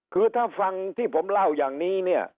คือถ้าฟังที่ผมเล่าอย่างนี้เนี่ย